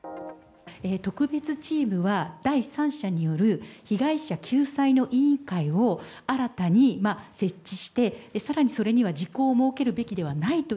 特別チームは、第三者による被害者救済の委員会を新たに設置して、さらにそれには時効を設けるべきではないと。